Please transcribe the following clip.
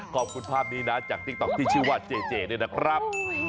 ขอบคุณภาพนี้นะจากติ๊กต๊อกที่ชื่อว่าเจเจด้วยนะครับ